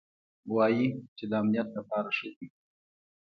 وايي چې د امنيت له پاره ښه دي.